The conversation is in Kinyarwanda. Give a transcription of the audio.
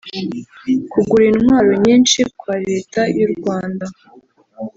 Kugura intwaro nyinshi kwa Leta y’u Rwanda